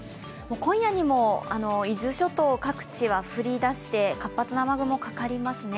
今夜にも伊豆諸島各地は降りだして活発な雨雲がかかりますね。